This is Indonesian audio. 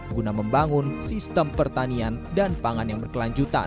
guna membangun sistem pertanian dan pangan yang berkelanjutan